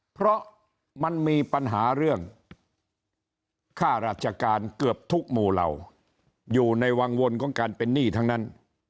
เพราะมันมีปัญหาเรื่องค่าราชการเกือบทุกหมู่เหล่าอยู่ในวังวลของการเป็นหนี้ทั้งนั้น